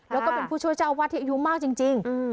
แล้วก็เป็นผู้ช่วยเจ้าวาดที่อายุมากจริง